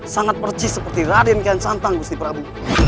sangat percis seperti raden ken santang gusti prabu